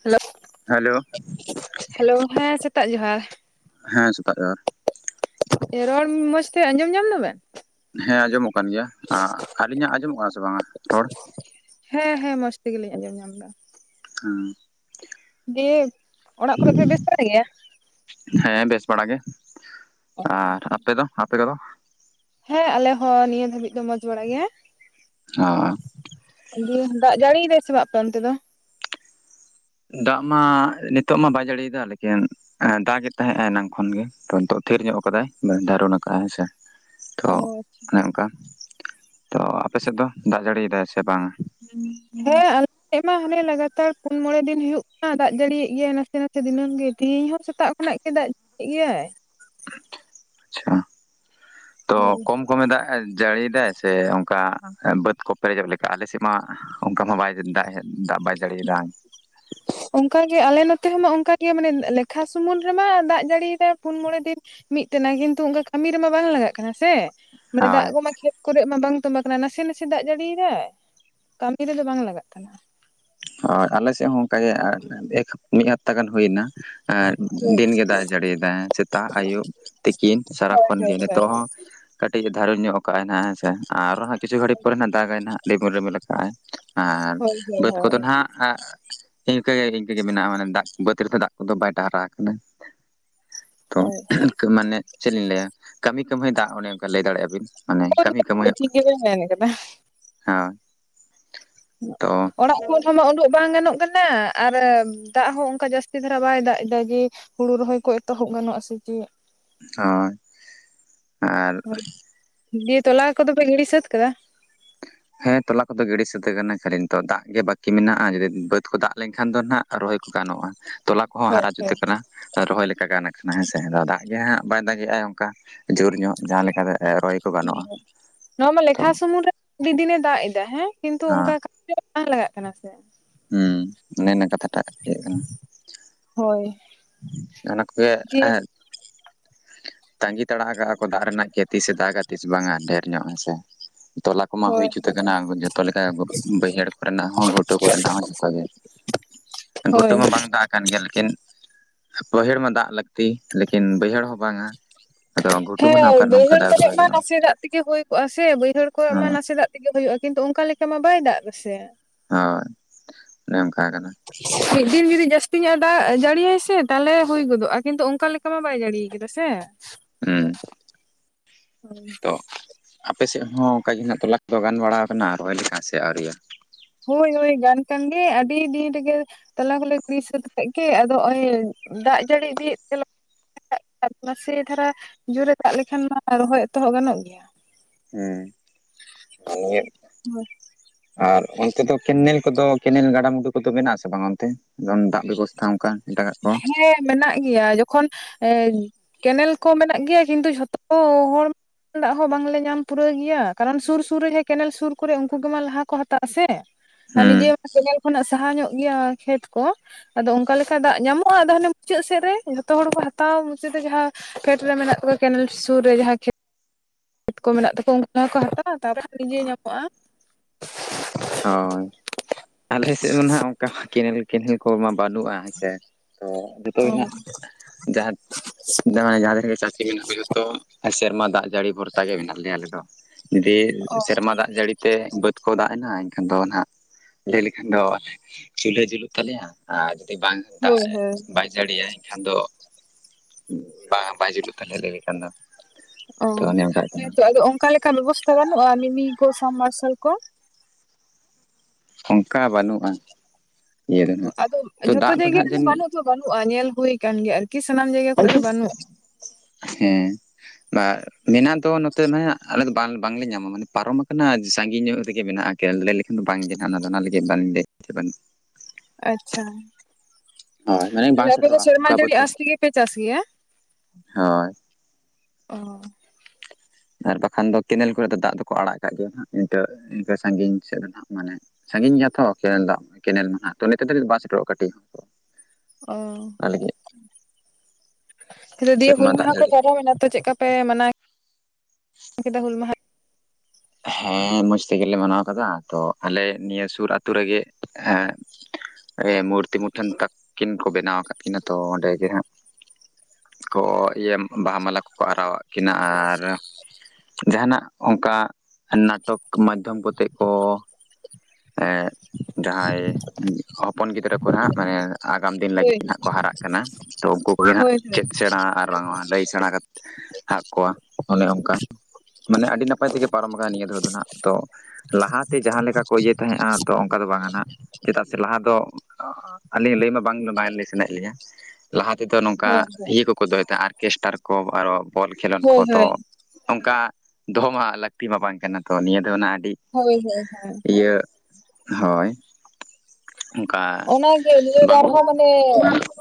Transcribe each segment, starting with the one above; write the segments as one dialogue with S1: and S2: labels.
S1: Hello
S2: hello.
S1: Hello ᱦᱮᱸ ᱥᱮᱛᱟᱜ ᱡᱚᱦᱟᱨ ᱾
S2: ᱦᱮᱸ ᱥᱮᱛᱟᱜ ᱡᱚᱦᱟᱨ ᱾
S1: ᱨᱚᱲ ᱢᱚᱸᱡᱽ ᱛᱮ ᱟᱸᱡᱚᱢ ᱧᱟᱢ ᱫᱟ ᱵᱮᱱ?
S2: ᱦᱮᱸ ᱟᱸᱡᱚᱢᱚᱜ ᱠᱟᱱ ᱜᱮᱭᱟ, ᱟᱸ ᱟᱹᱞᱤᱧᱟᱜ ᱟᱸᱡᱚᱢᱚᱜ-ᱟ ᱥᱮ ᱵᱟᱝᱟ ᱨᱚᱲ?
S1: ᱦᱮᱸ ᱦᱮᱸ ᱢᱚᱡᱽ ᱛᱮᱜᱮ ᱞᱤᱧ ᱟᱸᱡᱚᱢ ᱧᱟᱢ ᱫᱟ ᱾
S2: ᱦᱩᱸ
S1: [unintelligible] ᱚᱲᱟᱜ ᱠᱚᱨᱮᱜ ᱯᱮ ᱵᱮᱥ ᱵᱟᱲᱟ ᱜᱮᱭᱟ?
S2: ᱦᱮᱸ ᱵᱮᱥ ᱵᱟᱲᱟ ᱜᱮ,
S1: ᱚ
S2: ᱟᱨ ᱟᱯᱮ ᱫᱚ ᱟᱯᱮ ᱠᱚ ᱫᱚ?
S1: ᱦᱮᱸ ᱟᱞᱮ ᱦᱚᱸ ᱱᱤᱭᱟᱹ ᱫᱷᱟᱹᱵᱤᱡ ᱫᱚ ᱢᱚᱸᱡᱽ ᱵᱟᱲᱟ ᱜᱮ ᱾
S2: ᱦᱟᱸ ᱟ
S1: ᱫᱟᱜ ᱡᱟᱹᱲᱤᱭ ᱫᱟᱭ ᱥᱮ ᱵᱟ ᱟᱯᱮ ᱚᱱᱛᱮ ᱫᱚ?
S2: ᱫᱟᱜ ᱢᱟ ᱱᱤᱛᱚᱜ ᱢᱟ᱾ ᱵᱟᱭ ᱡᱟᱹᱲᱤᱭ ᱫᱟ᱾ ᱞᱮᱠᱮᱱ ᱦᱮᱸ ᱫᱟᱜᱮᱜ ᱛᱟᱦᱮᱸᱜ ᱟᱭ ᱮᱱᱟᱝ ᱠᱷᱚᱱᱜ ᱜᱮ᱾ ᱛᱚ ᱱᱤᱛᱚᱜ ᱛᱷᱤᱨ ᱧᱚᱜ ᱠᱟᱫᱟᱭ ᱫᱟ ᱾ ᱫᱷᱽᱟᱨᱩᱱ ᱟᱠᱟᱜ-ᱟᱭ ᱦᱮᱸ ᱥᱮ᱾ ᱛᱚ
S1: ᱚ ᱟᱪᱪᱷᱟ,
S2: ᱚᱱᱮ ᱚᱝᱠᱟ᱾ ᱛᱚ ᱟᱯᱮ ᱥᱮᱫ ᱫᱚ᱾ ᱫᱟᱜ ᱡᱟᱹᱲᱤᱭ ᱫᱟᱭ ᱥᱮ ᱵᱟᱝᱟ?
S1: ᱦᱮᱸ ᱟᱞ ᱮᱱᱟ ᱦᱟᱱᱮ ᱞᱟᱜᱟᱛᱟᱲ ᱯᱩᱱ ᱢᱚᱬᱮᱸ ᱫᱤᱱ ᱦᱩᱭᱩ-ᱜ ᱠᱟᱱᱟ᱾ ᱫᱟᱜ ᱡᱟᱹᱲᱤ ᱭᱮᱜ ᱜᱮᱭᱟ᱾ ᱱᱟᱥᱮ, ᱱᱟᱥᱮ ᱫᱤᱱᱟᱹᱢ ᱜᱮ ᱛᱤᱦᱤᱧ ᱦᱚᱸ ᱥᱮᱛᱟᱜ [unintelligible] ᱜᱮᱭᱟᱭ
S2: ᱟᱪᱪᱷᱟ ᱛᱚ
S1: ᱦᱳᱭ
S2: ᱠᱚᱢ ᱠᱚᱢᱮ ᱫᱟᱜ ᱮᱸ ᱡᱟᱹᱲᱤᱭ ᱫᱟᱭ᱾ ᱥᱮ ᱚᱝᱠᱟ ᱵᱟᱹᱫᱽ ᱠᱚ ᱯᱮᱨᱮᱡᱚᱜᱽ ᱞᱮᱠᱟ᱾ ᱟᱞᱮᱥᱮᱜ ᱢᱟ ᱚᱝᱠᱟ ᱢᱟ ᱵᱟᱭ ᱫᱟᱜ ᱦᱮᱡ ᱫᱟᱜ ᱵᱟᱭ ᱡᱟᱹᱲᱤᱭᱫᱟ᱾
S1: ᱚᱝᱠᱟ ᱜᱮ ᱟᱞᱮ ᱱᱚᱛᱮ ᱦᱚᱸᱢᱟ᱾ ᱚᱱᱝᱠᱟ ᱜᱮ ᱢᱟᱱᱮ ᱞᱮᱠᱷᱟ ᱥᱩᱢᱩᱱ ᱨᱮᱢᱟ᱾ ᱫᱟᱜ ᱡᱟᱹᱲᱤᱭ ᱫᱟᱭ ᱯᱩᱱ ᱢᱚᱬᱮᱸ ᱫᱤᱱ ᱢᱤᱜ ᱴᱮᱱᱟ ᱠᱤᱱᱛᱩ ᱚᱝᱠᱟ ᱠᱟᱹᱢᱤ ᱨᱮ ᱢᱟ ᱵᱟᱝ ᱞᱟᱜᱟᱜ ᱠᱟᱱᱟ ᱥᱮ᱾ ᱢᱟᱱᱮ ᱫᱟᱜ
S2: ᱦᱳᱭ
S1: ᱠᱚᱢᱟ᱾ ᱠᱷᱮᱛ ᱠᱚᱨᱮ ᱢᱟᱜ ᱵᱟᱝ ᱛᱚᱵᱟ ᱠᱟᱱᱟ᱾ ᱱᱟᱥᱮ, ᱱᱟᱥᱮ ᱫᱟᱜ ᱡᱟᱹᱲᱤᱭ ᱫᱟᱭ᱾ ᱠᱟᱹᱢᱤ ᱨᱮ ᱫᱚ ᱵᱟᱝ ᱞᱟᱜᱟᱜ ᱠᱟᱱᱟ᱾
S2: ᱦᱳᱭ ᱟᱞᱮ ᱥᱮᱜ ᱦᱚᱸ ᱚᱝᱠᱟ ᱜᱮ᱾ ᱫᱮᱠ ᱢᱤᱫ ᱦᱟᱯᱛᱟ ᱜᱟᱱ ᱦᱩᱭᱱᱟ᱾ ᱮᱸᱜ ᱫᱤᱱ ᱜᱮ ᱫᱟᱜ ᱮ ᱡᱟᱹᱲᱤᱭᱮᱫᱟ᱾ ᱥᱮᱛᱟᱜ, ᱟᱹᱭᱩᱵ, ᱛᱤᱠᱤᱱ, ᱥᱟᱨᱟ
S1: ᱦᱳᱭ
S2: ᱠᱷᱚᱱ
S1: ᱦᱳᱭ
S2: ᱜᱮᱦᱛᱚ ᱠᱟᱹᱴᱤᱡ ᱫᱷᱽᱟᱨᱩᱱ ᱧᱚᱜ ᱠᱟᱜ ᱟᱭ᱾ ᱦᱟᱸᱜ ᱦᱮᱸ ᱥᱮ ᱟᱨᱚ ᱦᱟᱸᱜ ᱠᱤᱪᱷᱩ ᱜᱷᱟᱹᱲᱤᱡ ᱯᱚᱨᱮᱱ ᱦᱟᱸᱜ ᱫᱟᱜᱟᱭ ᱱᱟᱦᱜ᱾ ᱨᱮᱢᱤᱞ, ᱨᱤᱢᱤᱠ ᱟᱠᱟᱜ-ᱟᱭ ᱟᱨ
S1: ᱦᱳᱭ ᱦᱳᱭ ᱦᱳᱭ
S2: ᱵᱟᱸᱛ
S1: ᱦᱳᱭ
S2: ᱟᱸᱜ ᱟᱸᱜ ᱤᱱᱠᱟᱹ ᱜᱮ ᱢᱮᱱᱟᱜ-ᱟ ᱢᱟᱱᱮ ᱫᱟᱜ ᱵᱟᱹᱛ ᱨᱮᱛᱚ ᱫᱟᱜ ᱠᱚ ᱫᱚ ᱵᱟᱭ ᱰᱟᱦᱸᱨᱟ ᱾ᱠᱟᱱᱟ
S1: [inaudible]
S2: ᱛᱚ ᱢᱟᱱᱮ ᱪᱮᱜ ᱞᱤᱧ ᱞᱟᱹᱭᱟ᱾ ᱠᱟᱹᱢᱤ ᱠᱟᱹᱢᱦᱟᱹᱭ ᱫᱟᱜ ᱚᱱᱮ ᱚᱝᱠᱟ ᱞᱟᱹᱭ ᱫᱟᱲᱮᱜ-ᱟ᱾ ᱵᱤᱱ ᱢᱟᱱᱮ ᱠᱟᱹᱢᱤ
S1: ᱦᱳᱭ
S2: ᱠᱟᱹᱢᱦᱟᱹᱭᱚᱜ
S1: ᱴᱷᱤᱠ
S2: ᱠᱟᱱᱟ᱾
S1: ᱜᱮᱵᱮᱱ ᱢᱮᱱ ᱠᱟᱫᱟ
S2: ᱦᱮᱸ᱾ ᱛᱚ
S1: ᱚᱲᱟ-ᱜ ᱠᱷᱚᱱᱢᱟ ᱩᱫᱩᱜ ᱵᱟᱝ ᱜᱟᱱᱚᱜ ᱠᱟᱱᱟ ᱾ ᱟᱨ ᱫᱟᱜ ᱦᱚᱸ ᱚᱱᱠᱟ ᱡᱟᱹᱥᱛᱤ ᱫᱷᱟᱨᱟ ᱵᱟᱭ ᱫᱟᱜ ᱮᱫᱟ᱾ ᱡᱮ ᱦᱩᱲᱩ ᱨᱚᱦᱚᱭ ᱠᱚ ᱮᱛᱚᱦᱚᱵ ᱜᱟᱱᱚᱜᱼᱟ᱾ ᱥᱮ ᱪᱮ
S2: ᱦᱳᱭ [inaudible] ᱟᱨ
S1: ᱫᱤᱭᱮ ᱛᱚᱞᱟ ᱠᱚᱼᱫᱚ ᱯᱮ ᱤᱱᱰᱤ ᱥᱟᱹᱛ ᱠᱟᱫᱟ᱾
S2: ᱦᱮᱸ ᱛᱚᱞᱟ ᱠᱚᱼᱫᱚ ᱜᱤᱰᱤ ᱥᱟᱹᱛ ᱟᱠᱟᱱᱟ᱾ ᱠᱟᱱᱟ ᱠᱷᱟᱞᱤ ᱱᱤᱛᱚ ᱫᱟᱜ ᱜᱮ ᱵᱟᱹᱠᱤ ᱢᱮᱱᱟᱜᱼᱟ᱾ ᱡᱩᱫᱤ ᱵᱟᱹᱫᱽ ᱠᱚ ᱫᱟᱜ ᱞᱮᱱᱠᱷᱟᱱ ᱫᱚ ᱱᱟᱜ ᱨᱚᱦᱚᱭ ᱠᱚ ᱜᱟᱱᱚᱜᱼᱟ ᱾ ᱛᱚᱞᱟ ᱠᱚᱼᱦᱚᱸ
S1: ᱦᱳᱭ
S2: ᱦᱟᱨᱟ ᱡᱩᱛ
S1: ᱦᱳᱭ
S2: ᱠᱟᱱᱟ᱾ ᱨᱚᱦᱚᱭ ᱞᱮᱠᱟ ᱜᱟᱱ ᱠᱟᱱᱟ ᱦᱮᱸᱥᱮ᱾ ᱫᱟᱜ ᱜᱮ ᱦᱟᱸᱜ ᱵᱟᱭ ᱫᱟᱜᱮ ᱟᱭ ᱚᱱᱠᱟ᱾ ᱡᱳᱨ ᱧᱚᱜ ᱡᱟᱦᱟᱸ ᱞᱮᱠᱟ
S1: ᱦᱮᱸ ᱱᱚᱣᱟ ᱢᱟ ᱞᱮᱠᱷᱟ ᱥᱩᱢᱩ ᱨᱮ ᱟᱹᱰᱤ ᱫᱤᱱᱮ ᱫᱟᱜ ᱮᱫᱟ᱾ ᱦᱮᱸ ᱠᱤᱱᱛᱩ ᱚᱱᱠᱟ ᱵᱟᱝ ᱞᱟᱜᱟ-ᱜ ᱠᱟᱱᱟ ᱥᱮ᱾
S2: ᱦᱩᱸ᱾ ᱚᱱᱮ ᱤᱱᱟᱹᱜ ᱠᱟᱛᱷᱟᱴᱟ-ᱜ ᱤᱭᱟᱹᱜ ᱠᱟᱱᱟ᱾
S1: ᱦᱳᱭ
S2: ᱚᱱᱟ ᱠᱚᱜᱮ
S1: ᱡᱮ
S2: ᱮᱸᱜ ᱛᱟᱺᱜᱤ ᱛᱟᱲᱟᱜ ᱠᱟᱜᱼᱟ ᱠᱚ᱾ ᱫᱟᱜ ᱨᱮᱱᱟᱜ ᱜᱮ ᱛᱤᱥ ᱥᱮ ᱫᱟᱜᱟ᱾ ᱛᱤᱥ ᱵᱟᱝᱼᱟ᱾ ᱰᱷᱮᱨ ᱧᱚᱜᱼᱟᱥᱮ ᱛᱚᱞᱟ ᱠᱚᱢᱟᱣ
S1: ᱦᱳᱭ
S2: ᱦᱩᱭᱪᱩᱛ ᱠᱟᱱᱟ᱾ ᱡᱚᱛᱚ ᱞᱮᱠᱟ ᱵᱟᱹᱭᱦᱟᱹᱲ ᱠᱚᱨᱮᱱᱟᱜ ᱦᱚᱸ᱾ ᱜᱷᱩᱴᱩ ᱠᱚᱨᱮᱱᱟᱜ ᱦᱚᱸ᱾ ᱡᱚᱛᱚ ᱜᱮ
S1: ᱦᱳᱭ
S2: ᱜᱷᱩᱴᱩ ᱢᱟ ᱵᱟᱝ ᱫᱟᱜ ᱮᱱ ᱧᱮᱞᱠᱤᱱ᱾ ᱵᱟᱹᱭᱦᱟᱹᱲ ᱢᱟ ᱫᱟᱜ ᱞᱟᱹᱠᱛᱤ᱾ ᱞᱮᱠᱤᱱ ᱵᱟᱹᱭᱦᱟᱹᱲ ᱦᱚᱸ ᱵᱟᱝᱟ᱾ ᱟᱫᱚ ᱜᱷᱩᱴᱩ ᱢᱟᱱᱟᱜ
S1: ᱦᱮᱸ
S2: ᱚᱠᱟ ᱱᱚᱝᱠᱟ
S1: ᱵᱟᱹᱭᱦᱟᱹᱲ
S2: ᱫᱟᱨᱮ ᱫᱚ
S1: ᱠᱚᱨᱮ
S2: ᱵᱟᱭ
S1: ᱢᱟ
S2: ᱜᱟᱱᱚᱜᱼᱟ
S1: ᱱᱟᱥᱮ ᱫᱟᱜ ᱛᱮᱜᱮ ᱦᱩᱭ ᱠᱚᱜᱼᱟ ᱥᱮ᱾ ᱵᱟᱹᱭᱦᱟᱹᱲ ᱠᱚᱨᱮ
S2: ᱦᱮᱸ
S1: ᱢᱟ᱾ ᱱᱟᱥᱮ ᱫᱟᱜ ᱛᱮᱜᱮ ᱦᱩᱭᱩᱜᱼᱟ᱾ ᱠᱤᱱᱛᱩ ᱚᱱᱠᱟ ᱞᱮᱠᱟ ᱢᱟ᱾ ᱵᱟᱭ ᱫᱟᱜ ᱥᱮ
S2: ᱚᱸ ᱦᱳᱭ ᱚᱱᱮ ᱚᱱᱠᱟ ᱠᱟᱱᱟ ᱾
S1: ᱢᱤᱫ ᱫᱤᱱ ᱡᱩᱫᱤ ᱡᱟᱹᱥᱛᱤ ᱧᱚᱜᱼᱟ᱾ ᱫᱟᱜ ᱡᱟᱹᱲᱤᱭᱟᱭ ᱥᱮ ᱛᱟᱦᱚᱞᱮ ᱦᱩᱭ ᱜᱚᱫᱚᱜᱼᱟ᱾ ᱠᱤᱱᱛᱩ ᱚᱱᱠᱟ ᱞᱮᱠᱟ ᱚᱠᱟ ᱢᱟ ᱵᱟᱭ ᱡᱟᱲᱤᱭ ᱠᱮᱫᱟ ᱥᱮ᱾
S2: ᱦᱮᱸ ᱛᱚ ᱟᱯᱮ ᱥᱮᱫ ᱦᱚᱸ ᱚᱱᱠᱟ ᱛᱚᱞᱟ ᱠᱚᱫᱚ ᱜᱟᱱ ᱵᱟᱲᱟ ᱠᱟᱱᱟ ᱨᱚᱦᱚᱭ ᱞᱮᱠᱟ ᱥᱮ ᱟᱹᱣᱨᱤᱭᱟᱹ?
S1: ᱦᱩᱭ ᱦᱩᱭ ᱜᱟᱱᱠᱟᱱ ᱜᱮ ᱟᱹᱰᱤ ᱫᱤᱱᱨᱮᱜᱮ ᱛᱟᱞᱟ ᱠᱚᱞᱮ ᱜᱤ ᱥᱟᱹᱛ ᱟᱠᱟᱜ ᱜᱮ ᱟᱫᱚ ᱱᱚᱜᱼᱚᱭ ᱫᱟᱜ ᱡᱟᱹᱲᱤ ᱤᱫᱤᱭ ᱛᱮ ᱱᱟᱥᱮ ᱫᱷᱟᱨᱟ ᱡᱳᱨᱮᱨᱮ ᱫᱟᱜ ᱞᱮᱠᱷᱟᱱ ᱢᱟ ᱨᱚᱦᱚᱭ ᱮᱛᱚᱦᱚᱵ ᱜᱟᱱᱚᱜ ᱜᱮᱭᱟ ᱾
S2: ᱦᱮᱸ [inaudible] ᱢᱤᱭᱟᱹ [inaudible] [inaudible] ᱟᱨ ᱚᱱᱛᱮ ᱫᱚ ᱠᱮᱱᱮᱞ ᱠᱚᱫᱚ ᱠᱮᱱᱮᱞ ᱜᱟᱰᱟ ᱢᱩᱰᱩ ᱠᱚᱫᱚ ᱢᱮᱱᱟᱜᱼᱟ ᱟᱥᱮ ᱵᱟᱝ ᱚᱱᱛᱮ ᱫᱚᱢ ᱫᱟᱜ? ᱵᱮᱵᱚᱥᱛᱷᱟ ᱚᱱᱠᱟ ᱮᱴᱟᱜᱟᱜ ᱠᱚ ᱾
S1: ᱦᱮᱸ ᱢᱮᱱᱟᱜ ᱜᱮᱭᱟ ᱡᱚᱠᱷᱚᱱ ᱠᱮᱱᱮᱞ ᱠᱚ ᱢᱮᱱᱟᱜ ᱜᱮᱭᱟ ᱠᱤᱱᱛᱩ ᱡᱷᱚᱛᱚ ᱦᱚᱲ ᱫᱟᱜ ᱦᱚᱸ ᱵᱟᱝᱞᱮ ᱧᱟᱢ ᱯᱩᱨᱟᱹᱣ ᱜᱮᱭᱟ ᱠᱟᱨᱚᱱ ᱥᱩᱨ ᱥᱩᱨ ᱨᱮ ᱡᱟᱦᱟᱸ ᱠᱮᱱᱮᱞ ᱥᱩᱨ ᱠᱚᱨᱮ ᱩᱱᱠᱩ ᱜᱮᱢᱟ ᱞᱟᱦᱟ ᱠᱚ ᱦᱟᱛᱟ ᱾. ᱟᱸᱥᱮ ᱟᱨ ᱱᱤᱡᱮ
S2: ᱦᱩᱸ
S1: ᱠᱮᱱᱮᱞ ᱠᱷᱚᱱᱟᱜ ᱥᱟᱦᱟ ᱧᱚᱜ ᱜᱮᱭᱟ ᱠᱷᱮᱛ ᱠᱚ ᱟᱫᱚ ᱚᱱᱠᱟ ᱞᱮᱠᱟ ᱫᱟᱜ ᱧᱟᱢᱚᱜᱼᱟ ᱟᱫᱚ, ᱦᱟᱱᱮ ᱢᱩᱪᱟᱹᱫ ᱥᱮᱜ ᱨᱮ ᱡᱷᱚᱛᱚ ᱦᱚᱲ ᱠᱚ ᱦᱟᱛᱟᱣᱟ ᱢᱩᱪᱟᱹᱫ ᱨᱮ ᱡᱟᱦᱟᱸ ᱯᱷᱮᱰ ᱨᱮ ᱢᱮᱱᱟᱜ ᱛᱟᱠᱚᱣᱟ ᱠᱮᱱᱮᱞ ᱥᱩᱨ ᱨᱮ ᱡᱟᱦᱟᱸ [unintelligible] ᱪᱚᱴ ᱠᱚ ᱢᱮᱱᱟᱜ ᱛᱟᱠᱚᱣᱟ ᱩᱱᱠᱩ ᱞᱟᱦᱟ ᱦᱟᱛᱟᱣᱟ ᱛᱟᱯᱚᱨᱮ ᱱᱤᱡᱮ ᱧᱟᱢᱚᱜᱼᱟ
S2: ᱦᱳᱭ ᱾ ᱟᱞᱮᱥᱮᱫ ᱫᱚ ᱱᱟᱜ ᱚᱱᱠᱟ ᱠᱮᱱᱮᱞ ᱠᱮᱱᱮᱞ ᱠᱚᱢᱟ ᱵᱟᱹᱱᱩᱜᱼᱟ ᱦᱮᱸᱥᱮ ᱫᱚ
S1: ᱚ
S2: ᱫᱩᱭᱱᱟᱜ ᱡᱟᱦᱟᱸ [unintelligible] ᱡᱟᱦᱟᱸᱭ ᱡᱟᱦᱟᱹᱨᱮᱜᱮ ᱪᱟᱥᱤ ᱢᱮᱱᱟᱜ ᱠᱚᱣᱟ ᱡᱚᱛᱚ ᱥᱮᱨᱢᱟ ᱫᱟᱜ ᱡᱟᱹᱲᱤ ᱵᱷᱚᱨᱥᱟ ᱜᱮ ᱢᱮᱱᱟᱜ ᱞᱮᱭᱟ ᱟᱞᱮ ᱫᱚ ᱾ ᱡᱩᱫᱤ ᱥᱮᱨᱢᱟ ᱫᱟᱜ ᱡᱟᱹᱲᱤ ᱛᱮ ᱵᱟᱹᱫᱽ ᱠᱚ ᱫᱟᱜ ᱮᱱᱟ ᱾ ᱟᱫᱚ ᱱᱟᱜ ᱞᱟᱹᱭ ᱞᱮᱠᱷᱟᱱ ᱫᱚ ᱪᱩᱞᱦᱟᱹ ᱡᱩᱞᱩᱜ ᱛᱟᱞᱮᱭᱟ ᱟᱨ ᱡᱩᱫᱤ ᱵᱟᱝ ᱫᱟᱜ
S1: ᱦᱳᱭ
S2: ᱮ
S1: ᱦᱳᱭ
S2: ᱵᱟᱭ ᱡᱟᱹᱲᱤᱭᱟᱭ ᱮᱠᱷᱟᱱ ᱫᱚ ᱵᱟ ᱵᱟᱭᱡᱟᱲᱤ [inaudible] ᱛᱟᱦᱞ ᱞᱟᱹᱭ [inaudible] [unintelligible] ᱞᱮᱠᱷᱱ ᱫᱚ
S1: ᱳ
S2: ᱛᱚ ᱚᱱᱮ ᱚᱱᱠᱟᱜ ᱠᱟᱱᱟ
S1: ᱦᱮᱸᱛᱚ ᱟᱫᱚ ᱚᱱᱠᱟ ᱞᱮᱠᱟ ᱵᱮᱵᱚᱥᱛᱟ ᱵᱟᱹᱱᱩᱜᱼᱟ ᱱᱤᱢᱤ ᱠᱚ ᱥᱟᱵᱢᱟᱨᱥᱟᱞ ᱠᱚ?
S2: ᱚᱱᱠᱟ ᱵᱟᱹᱱᱩᱜᱼᱟ ᱤᱭᱟᱹ ᱨᱮᱦᱚᱸ
S1: ᱟᱫᱚ
S2: ᱛᱚ
S1: ᱡᱷᱚᱛᱚ
S2: ᱫᱟᱜ ᱫᱚ
S1: ᱡᱟᱭᱜᱟ
S2: ᱱᱟᱜ
S1: ᱨᱮᱫᱚ
S2: ᱡᱟᱱᱤ
S1: ᱵᱟᱹᱱᱩᱜ ᱫᱚ ᱵᱟᱹᱱᱩᱜᱼᱟ ᱧᱮᱞ ᱦᱩᱭ ᱠᱟᱱ ᱜᱮᱭᱟ ᱟᱨᱠᱤ ᱥᱟᱱᱟᱢ ᱡᱟᱭᱜᱟ ᱠᱚᱨᱮ ᱫᱚ ᱵᱟᱹᱱᱩᱜᱼᱟ ᱾
S2: ᱦᱮᱸ [inaudible] [inaudible] ᱢᱮᱱᱟᱜ ᱫᱚ ᱛᱚ ᱱᱟᱦᱜ ᱟᱞᱮ ᱵᱟᱝᱞᱮ ᱧᱟᱢᱟ ᱢᱟᱱᱮ ᱯᱟᱨᱚᱢ ᱟᱠᱟᱱᱟ ᱥᱟᱺᱜᱤᱧ ᱧᱚᱜ ᱨᱮᱜᱮ ᱢᱮᱱᱟᱜᱮ [inaudible] ᱟᱞᱮ ᱵᱟᱝᱜᱮ ᱦᱟᱱᱟ ᱫᱚ ᱚᱱᱟ ᱞᱟᱹᱜᱤᱫ ᱵᱟᱝᱜᱮ ᱾
S1: ᱟᱪᱷᱟ
S2: ᱦᱳᱭ ᱢᱟᱱᱮ ᱵᱟᱝ
S1: ᱟᱯᱮ ᱫᱚ
S2: ᱥᱮᱴᱮᱨᱚᱜᱼᱟ
S1: ᱥᱮᱨᱢᱟ
S2: ᱚᱱᱠᱟ
S1: ᱡᱟᱹᱲᱤ
S2: ᱵᱟᱹᱛᱷᱟᱹ
S1: ᱟᱥ ᱛᱮᱜᱮᱯᱮ ᱪᱟᱥ ᱜᱮᱭᱟ ᱾
S2: ᱦᱳᱭ ᱾
S1: ᱚ ᱾
S2: ᱟᱨ ᱵᱟᱠᱷᱟᱱ ᱫᱚ ᱠᱮᱱᱮᱞ ᱠᱚᱨᱮ ᱫᱚ ᱫᱟᱜ ᱫᱚᱠᱚ ᱟᱲᱟᱜ ᱠᱟᱜ ᱜᱮᱭᱟ ᱦᱜ ᱤᱱᱠᱟᱹ ᱤᱱᱠᱟᱹ ᱥᱟᱺᱜᱤᱧ ᱥᱮᱫ ᱫᱚ ᱱᱟᱜ ᱢᱟᱱᱮ ᱥᱟᱺᱜᱤᱧ ᱜᱮᱭᱟ ᱛᱚ ᱠᱮᱱᱮᱞ ᱫᱟᱜ ᱠᱮᱱᱮᱞ ᱢᱟ ᱛᱚ ᱱᱤᱛᱮ ᱫᱚ ᱵᱟᱝ ᱥᱮᱴᱮᱨᱚᱜᱼᱟ ᱠᱟᱹᱴᱤᱡ ᱦᱚᱸ ᱾
S1: ᱚ ᱾ ᱟ [unintelligible] ᱫᱤᱭᱮ
S2: ᱥᱮᱨᱢᱟ
S1: ᱦᱩᱞ
S2: ᱫᱟᱜ
S1: ᱢᱟᱦᱟ ᱠᱚ
S2: ᱡᱟᱹᱲᱤ
S1: ᱯᱟᱨᱚᱢᱮᱱᱟ ᱛᱚ ᱪᱮᱫᱞᱠᱟ ᱯᱮ ᱢᱟᱱᱟᱣ ᱠᱮᱫᱟ ᱦᱩᱞ ᱢᱟᱦᱟ
S2: ᱦᱮᱸ ᱢᱚᱸᱡ ᱛᱮᱜᱮᱞᱮ ᱢᱟᱱᱟᱣ ᱠᱟᱫᱟ ᱛᱚ ᱟᱞᱮ ᱱᱤᱭᱟᱹ ᱥᱩᱨ ᱟᱹᱛᱩᱳ ᱨᱮᱜᱮ ᱮᱸ ᱢᱩᱨᱛᱤ ᱢᱩᱴᱷᱟᱹᱱ ᱛᱟᱠᱠᱤᱱ ᱠᱚ ᱵᱮᱱᱟᱣ ᱟᱠᱟᱫ ᱠᱤᱱᱟᱹ ᱛᱚ ᱚᱸᱰᱮ ᱜᱮ ᱦᱜ ᱠᱚ ᱤᱭᱟᱹ ᱵᱟᱦᱟ ᱢᱟᱞᱟ ᱠᱚᱠᱚ ᱟᱨᱟᱣᱟᱜ ᱠᱤᱱᱟ ᱟᱨ ᱡᱟᱦᱟᱱᱟᱜ ᱚᱱᱠᱟ ᱱᱟᱴᱚᱠ ᱢᱟᱫᱽᱫᱷᱚᱢ ᱠᱚᱛᱮ ᱠᱚ ᱡᱟᱦᱟᱸᱭ ᱦᱚᱯᱚᱱ ᱜᱤᱫᱽᱨᱟᱹ ᱠᱚ ᱱᱟᱱᱟᱜ ᱢᱟᱱᱮ ᱟᱜᱟᱢ ᱫᱤᱱ
S1: ᱦᱳᱭ
S2: ᱞᱟᱹᱜᱤᱫ ᱦᱜ ᱠᱚ ᱦᱟᱨᱟᱜ ᱠᱟᱱᱟ ᱛᱚ ᱩᱱᱠᱩ ᱠᱚᱜᱮ
S1: ᱦᱳᱭ
S2: ᱦᱜ ᱪᱮᱫ ᱥᱮᱬᱟ ᱟᱨ ᱵᱟᱝ ᱞᱟᱹᱭ ᱥᱮᱬᱟ ᱠᱟᱛᱮ ᱟᱟᱜ ᱠᱚᱣᱟ ᱚᱱᱮ ᱚᱱᱠᱟ ᱾ ᱢᱟᱱᱮ ᱟᱹᱰᱤ ᱱᱟᱯᱟᱭ ᱛᱮᱜᱮ ᱯᱟᱨᱚᱢ ᱟᱠᱟᱱᱟ ᱱᱤᱭᱟᱹ ᱫᱷᱟᱟᱹᱣ ᱫᱚ ᱱᱟᱟᱜ ᱛᱚ ᱞᱟᱦᱟᱛᱮ ᱡᱟᱦᱟᱸ ᱞᱮᱠᱟ ᱠᱚ ᱤᱭᱟᱹ ᱛᱟᱦᱮᱸᱜᱼᱟ ᱛᱚ ᱚᱱᱠᱟ ᱫᱚ ᱵᱟᱝ ᱟᱦᱜ ᱪᱮᱫᱟᱜ ᱥᱮ ᱞᱟᱦᱟ ᱫᱚ ᱟᱹᱞᱤᱧ ᱞᱟᱹᱭᱢᱟ ᱵᱟᱝ ᱥᱟᱱᱟᱭᱮᱫ ᱞᱤᱧᱟᱹ᱾ ᱞᱟᱦᱟ ᱛᱮᱫᱚ ᱱᱚᱝᱠᱟ
S1: ᱦᱳᱭ ᱦᱳᱭ
S2: ᱤᱭᱟᱹ ᱠᱚᱠᱚ ᱫᱚᱦᱚᱭᱮᱫ ᱛᱟᱦᱮᱸ ᱟᱨᱚᱨᱠᱮᱥᱴᱟᱨ ᱠᱚ ᱟᱨᱚ ᱵᱚᱞ ᱠᱷᱮᱞᱚᱰ ᱠᱚ
S1: ᱦᱳᱭ
S2: ᱛᱚ ᱚᱱᱠᱟ ᱫᱚᱦᱚ ᱢᱟ ᱞᱟᱹᱠᱛᱤ ᱢᱟ ᱵᱟᱝ ᱠᱟᱱᱟ ᱛᱚ ᱱᱤᱭᱟᱹ ᱫᱚ ᱚᱱᱟ ᱟᱹᱰᱤ
S1: ᱦᱳᱭ ᱦᱳᱭ ᱦᱳᱭ
S2: ᱤᱭᱟᱹ ᱦᱳᱭ ᱚᱱᱠᱟ
S1: ᱚᱱᱟᱜᱮ ᱱᱤᱭᱟᱹ ᱫᱚ
S2: ᱵᱟᱝ
S1: ᱟᱨᱦᱚᱸ ᱢᱟᱱᱮ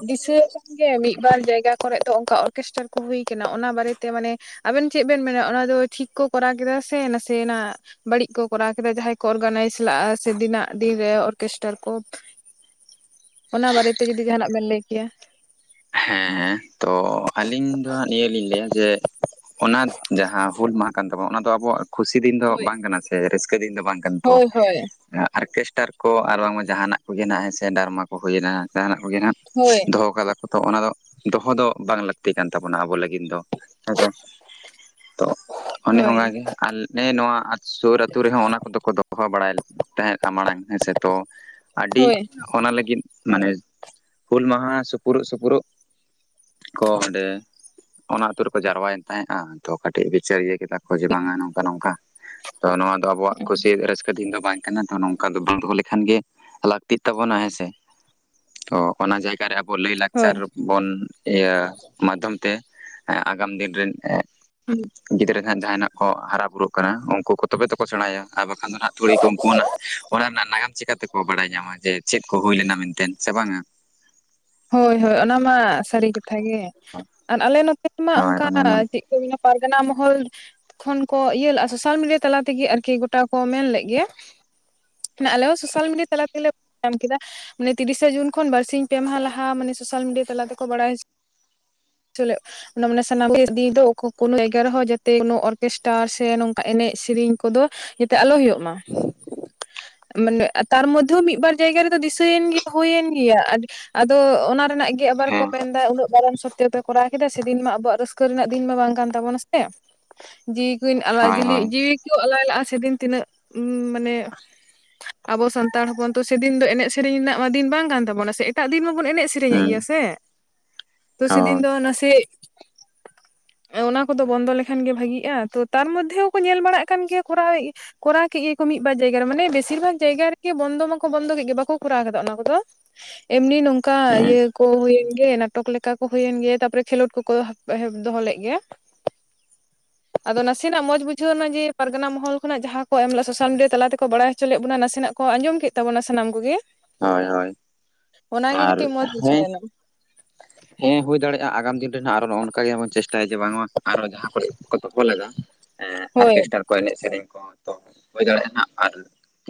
S1: ᱫᱤᱥᱟᱹ ᱜᱮ ᱢᱤᱫ ᱵᱟᱨ ᱡᱟᱭᱜᱟ ᱠᱚᱨᱮ ᱫᱚ ᱚᱱᱠᱟ ᱚᱨᱠᱮᱥᱴᱟᱨ ᱠᱚ ᱦᱩᱭ ᱟᱠᱟᱱᱟ ᱚᱱᱟ ᱵᱟᱨᱮᱛᱮ ᱢᱟᱱᱮ ᱟᱵᱮᱱ ᱪᱮᱫ ᱵᱮᱱ ᱢᱮᱱᱟ ᱚᱱᱟ ᱫᱚ ᱴᱷᱤᱠ ᱠᱚ ᱠᱚᱨᱟᱣ ᱠᱮᱫᱟ ᱥᱮ ᱱᱟᱥᱮᱱᱟᱜ ᱵᱟᱹᱲᱤᱡ ᱠᱚ ᱠᱚᱨᱟᱣ ᱠᱮᱫᱟ ᱡᱟᱦᱟᱸᱭ ᱠᱚ ᱚᱨᱜᱟᱱᱟᱭᱤᱡᱽ ᱞᱟᱜᱼᱟ ᱥᱮ ᱫᱤᱱᱟᱜ ᱫᱤᱱᱨᱮ ᱚᱨᱠᱮᱥᱴᱟᱨ ᱠᱚ ᱚᱱᱟ ᱵᱟᱨᱮᱛᱮ ᱡᱩᱫᱤ ᱡᱟᱦᱟᱱᱟᱜ ᱵᱮᱱ ᱞᱟᱹᱭ ᱠᱮᱭᱟ
S2: ᱦᱮᱸ ᱛᱚ ᱟᱹᱞᱤᱧ ᱫᱚ ᱦᱟᱜ ᱱᱤᱭᱟᱹ ᱞᱤᱧ ᱞᱟᱹᱭᱟ ᱡᱮ ᱚᱱᱟ ᱡᱟᱦᱟᱸ ᱦᱩᱞ ᱢᱟᱦᱟ ᱠᱟᱱ ᱛᱟᱵᱚᱱᱟ ᱚᱱᱟ ᱫᱚ ᱟᱵᱚᱣᱟᱜ ᱠᱩᱥᱤ ᱫᱤᱱ ᱫᱚ
S1: ᱦᱳᱭ
S2: ᱵᱟᱝ ᱠᱟᱱᱟ ᱥᱮ ᱨᱟᱹᱥᱠᱟᱹ ᱫᱤᱱ ᱫᱚ ᱵᱟᱝ ᱠᱟᱱᱟ ᱛᱚ
S1: ᱦᱳᱭ ᱦᱳᱭ
S2: ᱟᱨᱚᱨᱠᱮᱥᱴᱟᱨ ᱠᱚ ᱟᱨ ᱵᱟᱝᱢᱟ ᱡᱟᱦᱟᱱᱟᱜ ᱠᱚᱜᱮ ᱱᱟᱦᱟᱜ ᱦᱮ ᱥᱮ ᱰᱨᱟᱢᱢᱟ ᱠᱚ ᱦᱩᱭᱮᱱᱟ ᱡᱟᱦᱟᱱᱟᱜ ᱠᱚᱜᱮ ᱱᱟᱦᱟᱜ
S1: ᱦᱳᱭ
S2: ᱫᱚᱦᱚ ᱠᱟᱫᱟ ᱠᱚ ᱛᱚ ᱚᱱᱟ ᱫᱚ ᱫᱚᱦᱚ ᱫᱚ ᱵᱟᱝ ᱞᱟᱹᱠᱛᱤ ᱠᱟᱱ ᱛᱟᱵᱚᱱᱟ ᱟᱵᱚ ᱞᱟᱹᱜᱤᱫ ᱫᱚ ᱟᱪᱪᱷᱟ
S1: [inaudible]
S2: ᱚᱱᱮ ᱚᱱᱠᱟᱮ ᱟᱞᱮ ᱱᱚᱣᱟ ᱥᱩᱨ ᱟ ᱟᱹᱛᱩᱳ ᱨᱮᱦᱚᱸ ᱚᱱᱟ ᱠᱚᱫᱚ ᱠᱚ ᱫᱚᱦᱚ ᱵᱟᱲᱟᱭ ᱛᱟᱦᱮᱸ ᱢᱟᱲᱟᱝ ᱦᱮᱸᱥᱮ ᱛᱚ ᱟᱹᱰᱤ
S1: ᱦᱳᱭ
S2: ᱚᱱᱟ ᱞᱟᱹᱜᱤᱫ ᱢᱟᱱᱮ ᱦᱩᱞ ᱢᱟᱦᱟ ᱩ ᱯᱩᱨᱩᱜ ᱥᱩᱯᱩᱨᱩᱜ ᱠᱚ ᱚᱸᱰᱮ ᱚᱱᱟ ᱟᱹᱛᱩ ᱨᱮᱠᱚ ᱡᱟᱨᱣᱟᱭᱮᱱ ᱛᱟᱦᱮᱸᱜᱫᱼᱟ ᱛᱚ ᱠᱟᱹᱴᱤᱡ ᱵᱤᱪᱟᱹᱨ ᱤᱭᱟᱹ ᱠᱮᱫᱟ ᱠᱚ ᱡᱮ ᱵᱟᱝᱟ ᱱᱚᱝᱠᱟ ᱱᱚᱝᱠᱟ ᱛᱚ ᱱᱚᱣᱟ ᱫᱚ ᱟᱵᱚᱣᱟᱜ ᱠᱩᱥᱤ ᱨᱟᱹᱥᱠᱟᱹ ᱫᱤᱱ ᱫᱚ ᱵᱟᱝ ᱮᱱᱟ ᱫᱚ ᱱᱚᱝᱠᱟ ᱫᱚ ᱵᱟᱝ ᱫᱚᱦᱚ ᱞᱮᱠᱷᱟᱱ ᱜᱮ ᱞᱟᱹᱠᱛᱤᱜ ᱛᱟᱵᱚᱱᱟ ᱦᱮᱸᱥᱮ ᱚ ᱚᱱᱟ ᱡᱟᱭᱜᱟ ᱨᱮ
S1: ᱦᱳᱭ
S2: ᱞᱟᱹᱭᱼᱞᱟᱠᱪᱟᱨ ᱵᱚᱱ ᱤᱭᱟᱹ ᱢᱟᱫᱽᱫᱷᱚᱢ ᱛᱮ ᱟᱜᱟᱢ ᱫᱤᱱ ᱨᱮᱱ
S1: [inaudible]
S2: ᱜᱤᱫᱽᱨᱟᱹ ᱦᱟᱜ ᱡᱟᱦᱟᱱᱟᱜ ᱠᱚ ᱦᱟᱨᱟ ᱵᱩᱨᱩᱜ ᱩᱱᱠᱩ ᱠᱚ ᱛᱚᱵᱮ ᱛᱠᱚ ᱥᱮᱬᱟᱭᱟ ᱟᱨ ᱵᱟᱠᱷᱟᱱ ᱫᱚ ᱟᱜ ᱛᱩᱲᱤ ᱠᱚ ᱩᱱᱠᱩ ᱚᱱᱟ ᱨᱮᱱᱟᱜ ᱱᱟᱜᱟᱢ ᱪᱮᱠᱟᱛᱮᱠᱚ ᱵᱟᱲᱟᱭ ᱧᱟᱢᱟ ᱡᱮ ᱪᱮᱫ ᱠᱚ ᱦᱩᱭ ᱞᱮᱱᱟ ᱢᱮᱱᱛᱮ ᱥᱮ ᱵᱟᱝᱼᱟ
S1: ᱦᱳᱭ ᱦᱳᱭ ᱚᱱᱟ ᱢᱟ ᱥᱟᱹᱨᱤ ᱠᱟᱛᱷᱟ ᱜᱮ, ᱟᱨ ᱟᱞᱮ ᱱᱚᱛᱮ ᱢᱟ
S2: ᱦᱳᱭ
S1: ᱚᱱᱠᱟ
S2: ᱚᱱᱮ ᱚᱱᱟ
S1: ᱮᱫ ᱦᱩᱭᱱᱟ ᱯᱟᱨᱜᱟᱱᱟ ᱢᱟᱦᱚᱞ ᱠᱷᱚᱱ ᱠᱚ ᱤᱭᱟᱹ ᱞᱮᱫᱼᱟ ᱥᱳᱥᱟᱞ ᱢᱤᱰᱤᱭᱟ ᱛᱟᱞᱟ ᱛᱮᱜᱮ ᱟᱨᱠᱤ ᱜᱳᱚᱴᱟ ᱠᱚ ᱢᱮᱱ ᱞᱮᱫ ᱜᱮᱭᱟ ᱟᱞᱮ ᱦᱚᱸ ᱥᱳᱥᱟᱞ ᱢᱤᱰᱤᱭᱟ ᱛᱟᱞᱟ ᱛᱮᱞᱮ ᱧᱟᱢ ᱠᱮᱫᱟ ᱢᱟᱱᱮ ᱛᱤᱨᱤᱥᱮ ᱡᱩᱱ ᱠᱷᱚᱱ ᱵᱟᱨᱥᱤᱧ ᱯᱮ ᱢᱟᱦᱟ ᱞᱟᱦᱟ ᱞᱟᱦᱟᱸ ᱢᱟᱱᱮ ᱥᱳᱥᱟᱞ ᱢᱤᱰᱤᱭᱟ ᱛᱟᱞᱟ ᱛᱮᱠᱚ ᱵᱟᱲᱟᱭ ᱦᱚᱪᱚ ᱚᱱᱟ ᱢᱟᱱᱮ ᱥᱟᱱᱟᱢ ᱫᱚ ᱠᱳᱱᱳ ᱡᱟᱭᱜᱟ ᱨᱮᱦᱚᱸ ᱡᱟᱛᱮ ᱚᱨᱠᱮᱥᱴᱟᱨ ᱥᱮ ᱱᱚᱝᱠᱟ ᱮᱱᱮᱡ ᱥᱮᱨᱮᱧ ᱠᱚᱫᱚ, ᱡᱟᱛᱮ ᱟᱞᱚ ᱦᱩᱭᱩᱜ ᱢᱟ᱾ ᱢᱟᱱᱮ ᱛᱟᱨ ᱢᱚᱫᱽᱫᱷᱮ ᱢᱤᱫ ᱵᱟᱨ ᱡᱟᱭᱜᱟ ᱨᱮᱫᱚ ᱫᱤᱥᱟᱹᱭᱮᱱ ᱜᱮᱭᱟ ᱦᱩᱭᱮᱱ ᱜᱮᱭᱟ᱾ ᱟᱫᱚ ᱚᱱᱟ ᱨᱮᱱᱟᱜ ᱜᱮ ᱟᱵᱟᱨ ᱠᱚ
S2: ᱦᱮᱸ
S1: ᱢᱮᱱᱫᱟ ᱩᱱᱟᱹᱜ ᱜᱚᱨᱚᱢ ᱥᱚᱛᱛᱮ ᱠᱟᱛᱮ ᱠᱚᱨᱟᱣ ᱠᱮᱫᱟ ᱥᱮᱫᱤᱱ ᱢᱟ ᱟᱵᱚᱣᱟᱜ ᱨᱟᱹᱥᱠᱟᱹ ᱨᱮᱱᱟᱜ ᱫᱤᱱ ᱢᱟ ᱵᱟᱝ ᱠᱟᱱ ᱛᱟᱵᱚᱱᱟ ᱥᱮ ᱡᱤᱣᱤ ᱠᱚᱧ ᱟᱞᱟᱭ
S2: ᱦᱳᱭ
S1: ᱡᱤ
S2: ᱦᱳᱭ
S1: ᱡᱤᱣᱤ ᱠᱚ ᱟᱞᱟᱭ ᱞᱟᱜᱼᱟ ᱥᱮᱫᱤᱱ ᱛᱤᱱᱟᱹᱜ ᱩᱸ ᱢᱟᱱᱮ ᱟᱵᱚ ᱥᱟᱱᱛᱟᱲ ᱦᱚᱯᱚᱱ ᱛᱚ ᱥᱮᱫᱤᱱ ᱫᱚ ᱮᱱᱮᱡ ᱥᱮᱨᱮᱧ ᱨᱮᱱᱟᱜ ᱢᱟ ᱫᱤᱱ ᱵᱟᱝ ᱠᱟᱱ ᱛᱟᱵᱚᱱᱟ ᱥᱮ ᱮᱴᱟᱜ ᱫᱤᱱ ᱢᱟᱵᱚᱱ ᱮᱱᱮᱡ ᱥᱮᱨᱮᱧ ᱥᱮᱨᱮᱧᱮᱫ
S2: ᱦᱩᱸ
S1: ᱜᱮᱭᱟ ᱥᱮ ᱛᱚ ᱥᱮᱫᱤᱱ
S2: ᱦᱳᱭ
S1: ᱫᱚ ᱱᱟᱥᱮ ᱚᱱᱟ ᱠᱚᱫᱚ ᱵᱚᱱᱫᱚ ᱞᱮᱠᱷᱟᱱᱜᱮ ᱵᱷᱟᱜᱤᱜᱼᱟ ᱛᱚ ᱛᱟᱨ ᱢᱚᱫᱽᱫᱷᱮ ᱦᱚᱸᱠᱚ ᱧᱮᱞ ᱵᱟᱲᱟᱜ ᱠᱟᱱ ᱜᱮᱭᱟ ᱠᱚᱨᱟᱣ ᱠᱚᱨᱟᱣ ᱠᱮᱫ ᱜᱮᱠᱚ ᱢᱤᱫ ᱵᱟᱨ ᱡᱟᱭᱜᱟ ᱨᱮ ᱢᱟᱱᱮ ᱵᱮᱥᱤᱨ ᱵᱷᱟᱜ ᱡᱟᱭᱜᱟ ᱨᱮᱜᱮ ᱵᱚᱱᱫᱚ ᱢᱟᱠᱚ ᱵᱚᱱᱫᱚ ᱠᱮᱫ ᱜᱮ ᱵᱟᱠᱚ ᱠᱚᱨᱟᱣ ᱠᱮᱫᱟ ᱚᱱᱟ ᱠᱚᱫᱚ ᱮᱢᱱᱤ ᱱᱚᱝᱠᱟ
S2: ᱦᱮᱸ
S1: ᱤᱭᱟᱹ ᱠᱚ ᱦᱩᱭᱮᱱ ᱜᱮ ᱱᱟᱴᱚᱠ ᱞᱮᱠᱟ ᱦᱩᱭᱮᱱ ᱜᱮᱭᱟ ᱛᱟᱨᱯᱚᱨᱮ ᱠᱷᱮᱞᱳᱰ ᱠᱚᱠᱚ ᱫᱚᱦᱚ ᱞᱮᱫ ᱜᱮᱭᱟ ᱾ [inaudible] ᱟᱫᱚ ᱱᱟᱥᱮᱱᱟᱜ ᱢᱚᱡᱽ ᱵᱩᱡᱷᱟᱹᱣ ᱮᱱᱟ ᱡᱮ, ᱯᱟᱨᱜᱟᱱᱟ ᱢᱚᱦᱚᱞ ᱠᱷᱚᱱᱟᱜ ᱡᱟᱦᱟᱸ ᱠᱚ ᱮᱢ ᱞᱮᱫ ᱥᱳᱥᱟᱞ ᱢᱤᱰᱤᱭᱟ ᱛᱟᱞᱟ ᱛᱮᱠᱚ ᱵᱟᱲᱟᱭ ᱦᱚᱪᱚ ᱞᱮᱫ ᱵᱚᱱᱟ ᱱᱟᱥᱮᱱᱟᱜ ᱠᱚ ᱟᱸᱡᱚᱢ ᱠᱮᱫ ᱛᱟᱵᱚᱱᱟ ᱥᱟᱱᱟᱢ ᱠᱚᱜᱮ ᱾
S2: ᱦᱳᱭ ᱦᱳᱭ ᱾
S1: ᱚᱱᱟᱜᱮ ᱠᱟᱹᱴᱤᱡ ᱢᱚᱡᱽ ᱵᱩᱡᱷᱟᱹᱣ ᱮᱱᱟ ᱾
S2: ᱦᱮᱸ ᱦᱩᱭ ᱫᱟᱲᱮᱭᱟᱜᱼᱟ ᱟᱜᱟᱢ ᱫᱤᱱ ᱨᱮᱱᱟᱜ ᱟᱨᱚ ᱱᱚᱜᱼᱚ ᱱᱚᱝᱠᱟ ᱜᱮᱵᱚᱱ ᱪᱮᱥᱴᱟᱭᱟ ᱡᱮ ᱵᱟᱝᱢᱟ ᱟᱨᱚ ᱡᱟᱦᱟᱸ ᱠᱚᱨᱮ ᱠᱚ ᱛᱚᱯᱚᱞ ᱞᱮᱫᱟ ᱾ ᱦᱮᱸ
S1: ᱦᱳᱭ
S2: ᱚᱨᱠᱮᱥᱴᱟᱨ ᱠᱚ ᱮᱱᱮᱡ ᱥᱮᱨᱮᱧ ᱠᱚ ᱛᱚ ᱦᱩᱭ ᱫᱟᱲᱮᱭᱟᱜᱼᱟ ᱦᱟᱸᱜ ᱟᱨ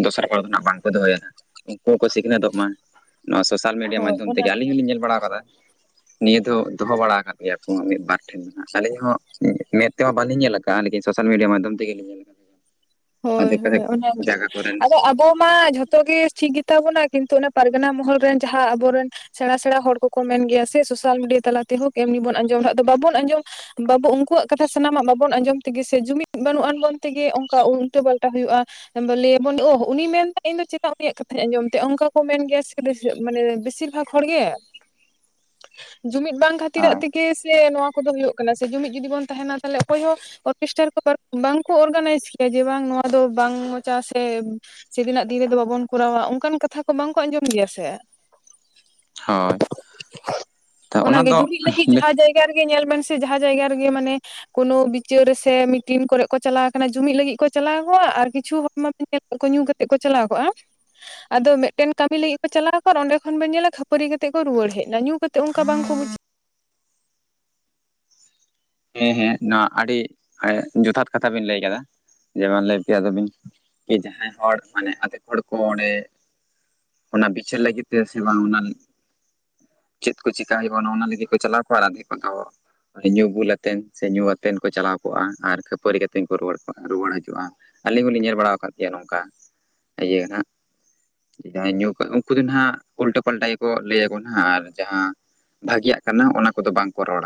S2: ᱫᱚᱥᱟᱨ ᱦᱚᱲ ᱫᱚ ᱦᱟᱸᱜ ᱵᱟᱝᱠᱚ ᱫᱚᱦᱚᱭᱟ ᱾ [inaudible] ᱩᱱᱠᱩ ᱦᱚᱸᱠᱚ ᱥᱤᱠᱷᱱᱟᱹᱛᱚᱜ ᱢᱟ ᱾ ᱱᱚᱣᱟ ᱥᱳᱥᱟᱞ ᱢᱤᱰᱤᱭᱟ
S1: ᱦᱳᱭ
S2: ᱢᱟᱫᱽᱫᱷᱚᱢ ᱛᱮᱜᱮ
S1: ᱚᱱᱟᱜᱮ
S2: ᱟᱞᱤᱧ ᱦᱚᱸᱞᱤᱧ ᱧᱮᱞ ᱵᱟᱲᱟ ᱟᱠᱟᱫᱟ ᱾ ᱱᱤᱭᱟᱹ ᱫᱚ ᱫᱚᱦᱚ ᱵᱟᱲᱟ ᱟᱠᱟᱫ ᱜᱮᱭᱟ ᱠᱚ ᱢᱤᱫ ᱵᱟᱨ ᱴᱷᱮᱱ ᱟᱹᱞᱤᱧ ᱦᱚᱸ ᱢᱮᱫ ᱛᱮᱦᱚᱸ ᱵᱟᱞᱤᱧ ᱧᱮᱞ ᱟᱠᱟᱫᱟ ᱾ [unintelligible] ᱥᱳᱥᱟᱞ ᱢᱤᱰᱤᱭᱟ ᱢᱟᱫᱽᱫᱷᱚᱢ ᱛᱮᱜᱮ ᱤᱧ
S1: [inaudible] ᱦᱳᱭ ᱦᱳᱭ ᱚᱱᱟᱜᱮ
S2: ᱡᱟᱭᱜᱟ ᱠᱚᱨᱮᱱ
S1: ᱾ ᱟᱫᱚ ᱟᱵ ᱟᱵᱚ ᱢᱟ ᱡᱷᱚᱛᱚ ᱜᱮ ᱴᱷᱤᱠ ᱜᱮ ᱛᱟᱵᱚᱱᱟ ᱠᱤᱱᱛᱩ ᱚᱱᱟ ᱯᱟᱨᱜᱟᱱᱟ ᱢᱚᱦᱚᱞ ᱨᱮᱱ ᱡᱟᱦᱟᱸ ᱟᱵᱚᱨᱮᱱ ᱥᱮᱬᱟ ᱥᱮᱬᱟ ᱦᱚᱲ ᱠᱚᱠᱚ ᱢᱮᱱ ᱜᱮᱭᱟ ᱥᱮ ᱥᱳᱥᱟᱞ ᱢᱤᱰᱤᱭᱟ ᱛᱟᱞᱟ ᱛᱮᱦᱚᱸ ᱮᱢᱱᱤ ᱵᱚᱱ ᱟᱸᱡᱚᱢ ᱦᱟᱸᱜ ᱫᱚ ᱵᱟᱵᱚᱱ ᱟᱸᱡᱚᱢ ᱵᱟᱵᱩ ᱩᱱᱠᱩᱣᱟᱜ ᱠᱟᱛᱷᱟ ᱥᱟᱱᱟᱢᱟᱜ ᱵᱟᱵᱚᱱ ᱟᱸᱡᱚᱢ ᱛᱮᱜᱮ ᱥᱮ ᱡᱩᱢᱤᱫ ᱵᱟᱹᱱᱩᱜᱟᱱ ᱵᱚᱱ ᱛᱮᱜᱮ ᱚᱱᱠᱟ ᱩᱞᱴᱟᱹ ᱯᱟᱞᱴᱟ ᱦᱩᱭᱩᱜᱼᱟ ᱾ ᱟᱥᱟ ᱞᱟᱹᱭ ᱟᱵᱚᱱ ᱳᱦ ᱩᱱᱤᱭ ᱢᱮᱱ ᱮᱫᱟ ᱤᱧ ᱫᱚ ᱪᱮᱫᱟᱜ ᱩᱱᱤᱭᱟᱜ ᱠᱟᱛᱷᱟᱧ ᱟᱸᱡᱚᱢ ᱛᱟᱭᱟ ᱚᱱᱠᱟ ᱠᱚ ᱢᱮᱱ ᱜᱮᱭᱟ ᱥᱮ ᱢᱟᱱᱮ ᱵᱮᱥᱤᱨ ᱵᱷᱟᱜᱽ ᱦᱚᱲ ᱜᱮ ᱾ [inaudible] ᱡᱩᱢᱤᱫ ᱵᱟᱝ ᱠᱷᱟᱹᱛᱤᱨ
S2: ᱦᱳᱭ
S1: [unintelligible] ᱠᱮ ᱥᱮ ᱱᱚᱣᱟ ᱠᱚᱫᱚ ᱦᱩᱭᱩᱜ ᱠᱟᱱᱟ ᱥᱮ ᱾ ᱡᱩᱢᱤᱫ ᱡᱩᱫᱤ ᱵᱚᱱ ᱛᱟᱦᱮᱱᱟ ᱛᱟᱦᱚᱞᱮ ᱚᱠᱚᱭ ᱦᱚᱸ ᱚᱨᱠᱮᱥᱴᱟᱨ ᱠᱚ ᱵᱟᱝᱠᱚ ᱚᱨᱜᱟᱱᱟᱭᱤᱡᱽ ᱠᱮᱭᱟ ᱡᱮ ᱵᱟᱝ ᱱᱚᱣᱟ ᱫᱚ ᱵᱟᱝ ᱢᱚᱡᱟ ᱥᱮ ᱥᱮ ᱫᱤᱱᱟᱜ ᱫᱤᱱ ᱨᱮᱫᱚ ᱵᱟᱵᱚᱱ ᱠᱚᱨᱟᱣᱟ ᱚᱱᱠᱟᱱ ᱠᱟᱛᱷᱟ ᱠᱚ ᱵᱟᱝᱠᱚ ᱟᱸᱡᱚᱢ ᱜᱮᱭᱟ ᱥᱮ ᱾ [inaudible]
S2: ᱦᱳᱭ ᱛᱚ
S1: [inaudible]
S2: ᱚᱱᱟ
S1: ᱚᱱᱟᱜᱮ
S2: ᱫᱚ
S1: ᱡᱩᱢᱤᱫ ᱞᱟᱹᱜᱤᱫ ᱡᱟᱦᱟᱸ ᱡᱟᱭ ᱡᱟᱭᱜᱟ ᱨᱮᱜᱮ ᱧᱮᱞ ᱵᱤᱱ ᱥᱮ ᱡᱟᱦᱟᱸ ᱡᱟᱭᱜᱟ ᱨᱮᱜᱮ ᱢᱟᱱᱮ ᱠᱳᱱᱳ ᱵᱤᱪᱟᱹᱨ ᱥᱮ ᱢᱤᱴᱤᱱ ᱠᱚᱨᱮᱜ ᱠᱚ ᱪᱟᱞᱟᱣ ᱟᱠᱟᱱᱟ ᱡᱩᱢᱤᱫ ᱞᱟᱹᱜᱤᱫ ᱠᱚ ᱪᱟᱞᱟᱣ ᱠᱚᱜᱼᱟ ᱟᱨ ᱠᱤᱪᱷᱩ ᱦᱚᱲ ᱢᱟ ᱧᱮᱞ ᱠᱚᱢ ᱧᱩ ᱠᱟᱛᱮᱫ ᱠᱚ ᱪᱟᱞᱟᱣ ᱠᱚᱜᱼᱟ ᱾ ᱟᱫᱚ ᱢᱤᱫᱴᱮᱱ ᱠᱟᱹᱢᱤ ᱞᱟᱹᱜᱤᱫ ᱠᱚ ᱪᱟᱞᱟᱣ ᱟᱠᱚ ᱟᱨ ᱚᱸᱰᱮ ᱠᱷᱚᱱ ᱵᱚᱱ ᱧᱮᱞᱟ ᱠᱷᱟᱹᱯᱟᱹᱨᱤ ᱠᱟᱛᱮ ᱠᱚ ᱨᱩᱣᱟᱹᱲ ᱦᱮᱡ ᱮᱱᱟ, ᱧᱩ ᱠᱟᱛᱮ ᱚᱱᱠᱟ ᱵᱟᱝ ᱠᱚ ᱵᱩᱡᱷ
S2: ᱦᱮᱸ ᱦᱮᱸ ᱱᱚᱣᱟ ᱟᱹᱰᱤ ᱡᱚᱛᱷᱟᱛ ᱠᱟᱛᱷᱟ ᱵᱤᱱ ᱞᱟᱹᱭ ᱟᱠᱟᱫᱟ ᱾ ᱡᱮᱢᱚᱱ ᱞᱟᱹᱭ ᱠᱮᱭᱟ ᱟᱫᱚᱵᱤᱱ ᱠᱤ ᱡᱟᱦᱟᱸᱭ ᱦᱚᱲ ᱢᱟᱱᱮ ᱟᱫᱷᱮᱠ ᱦᱚᱲ ᱠᱚ ᱚᱸᱰᱮ ᱚᱱᱟ ᱵᱤᱪᱟᱹᱨ ᱞᱟᱹᱜᱤᱫ ᱛᱮ ᱥᱮ ᱵᱟᱝ ᱚᱱᱟ ᱪᱮᱫ ᱠᱚ ᱪᱮᱠᱟ ᱦᱩᱭᱩᱜᱼᱟ ᱚᱱᱟ ᱞᱟᱹᱜᱤᱫ ᱠᱚ ᱪᱟᱞᱟᱣ ᱠᱚᱣᱟ ᱟᱨ ᱟᱫᱷᱮᱠ ᱦᱚᱲ ᱫᱚ ᱧᱩ ᱵᱩᱞ ᱠᱟᱛᱮ ᱥᱮ ᱧᱩ ᱟᱛᱮᱫ ᱠᱚ ᱪᱟᱞᱟᱣ ᱠᱚᱜᱼᱟ ᱟᱨ ᱠᱷᱟᱹᱯᱟᱹᱨᱤ ᱠᱟᱛᱮᱫ ᱠᱚ ᱨᱩᱣᱟᱹᱲ ᱠᱚᱜᱼᱟ ᱨᱩᱣᱟᱹᱲ ᱦᱤᱡᱩᱜᱼᱟ ᱾ ᱟᱹᱞᱤᱧ ᱦᱚᱞᱤᱧ ᱧᱮᱞ ᱵᱟᱲᱟ ᱟᱠᱟᱫ ᱜᱮᱭᱟ ᱱᱚᱝᱠᱟ [inaudible] ᱤᱭᱟᱹ ᱦᱟᱸᱜ ᱾ ᱡᱟᱦᱟᱸᱭ ᱧᱩ ᱠᱟᱜ ᱩᱱᱠᱩ ᱫᱚ ᱦᱟᱸᱜ ᱩᱞᱴᱟᱹ ᱯᱟᱞᱴᱟ ᱜᱮᱠᱚ ᱞᱟᱹᱭ ᱟᱠᱚ ᱱᱟᱜ ᱟᱨ ᱡᱟᱦᱟᱸ ᱵᱷᱟᱜᱤᱭᱟᱜ ᱠᱟᱱᱟ ᱚᱱᱟ ᱠᱚᱫᱚ ᱵᱟᱝᱠᱚ ᱨᱚᱲᱟ ᱾